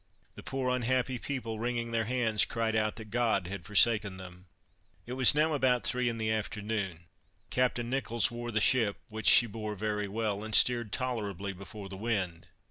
The poor unhappy people wringing their hands, cried out, "that God had forsaken them." It was now about three in the afternoon; Captain Nicholls wore the ship, which she bore very well, and steered tolerably before the wind.